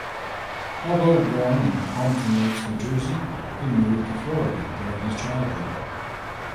Although born in Pompton Lakes, New Jersey, he moved to Florida during his childhood.